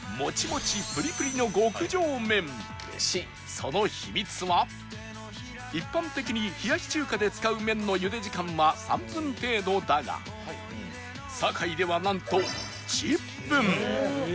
その秘密は一般的に冷やし中華で使う麺の茹で時間は３分程度だがサカイではなんと１０分